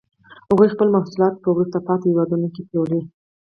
هغوی خپل محصولات په وروسته پاتې هېوادونو کې پلوري